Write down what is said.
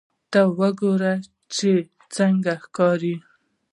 ته وګوره چې څنګه ښکاري